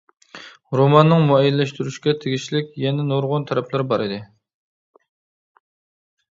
روماننىڭ مۇئەييەنلەشتۈرۈشكە تېگىشلىك يەنە نۇرغۇن تەرەپلىرى بار ئىدى.